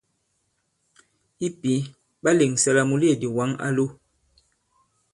I pǐ, ɓa lèŋsɛ la mùleèdì wǎŋ a lo.